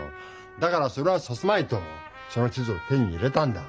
だからそれはさせまいとその地図を手に入れたんだ。